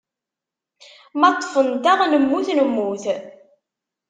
Ma ṭṭfent-aɣ, nemmut nemmut.